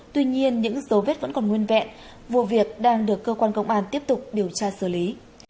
tuy nhiên những dấu vết vẫn còn nguyên vẹn vụ việc đang được cơ quan công an tiếp tục điều tra xử lý